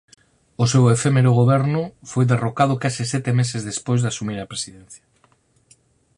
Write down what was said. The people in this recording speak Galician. O seu efémero goberno foi derrocado case sete meses despois de asumir a presidencia.